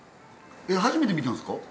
初めて見たんですか？